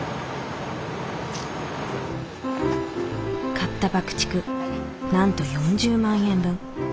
買った爆竹なんと４０万円分。